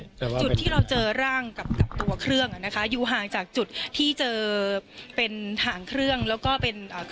จุดที่เราเจอร่างกับกับตัวเครื่องอ่ะนะคะอยู่ห่างจากจุดที่เจอเป็นหางเครื่องแล้วก็เป็นอ่า